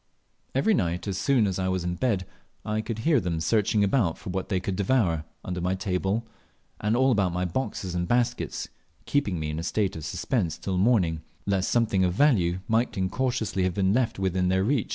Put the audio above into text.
Every night, as soon as I was in bed, I could hear them searching about for what they could devour, under my table, and all about my boxes and baskets, keeping me in a state of suspense till morning, lest something of value might incautiously have been left within their read.